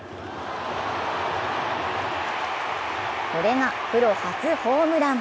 これがプロ初ホームラン。